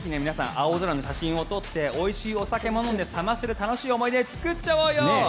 青空の写真を撮っておいしいお酒も飲んでサマステで楽しい思い出作っちゃおうよ！